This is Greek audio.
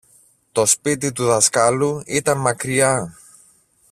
Το σπίτι του δασκάλου ήταν μακριά.